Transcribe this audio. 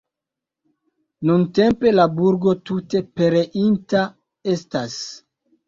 Nuntempe la burgo tute pereinta estas.